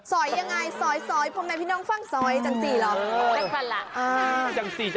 อยยังไงซอยพ่อแม่พี่น้องฟังสอยจังสิเหรอ